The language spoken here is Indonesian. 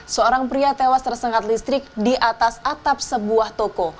seorang pria tewas tersengat listrik di atas atap sebuah toko